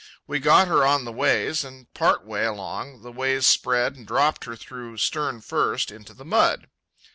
We got her on the ways, and, part way along, the ways spread and dropped her through, stern first, into the mud.